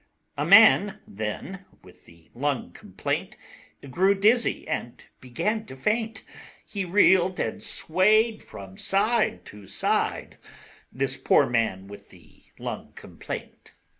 A Man then with the Lung Complaint Grew dizzy and began to faint; He reeled and swayed from side to side, This poor Man with the Lung Complaint.